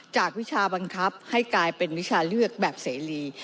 วิชาบังคับให้กลายเป็นวิชาเลือกแบบเสรี